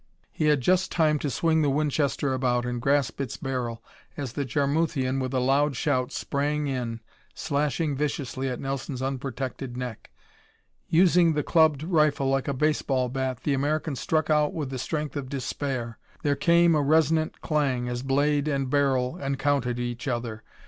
He had just time to swing the Winchester about and grasp its barrel as the Jarmuthian, with a loud shout, sprang in, slashing viciously at Nelson's unprotected neck. Using the clubbed rifle like a baseball bat, the American struck out with the strength of despair. There came a resonant clang as blade and barrel encountered each other.